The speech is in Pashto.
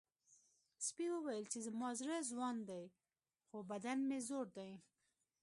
سپي وویل چې زما زړه ځوان دی خو بدن مې زوړ دی.